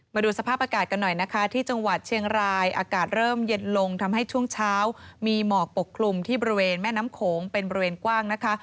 มาดูสภาพอากาศกันหน่อยนะคะที่จังหวัดเชียงรายอากาศเริ่มเย็นลงทำให้ช่วงเช้ามีหมอกปกคลุมที่บริเวณแม่น้ำโขงเป็นบริเวณกว้างนะคะ